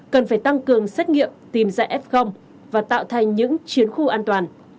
cần phải tăng cường xét nghiệm tìm ra f và tạo thành những chiến khu an toàn